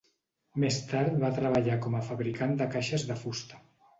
Més tard va treballar com a fabricant de caixes de fusta.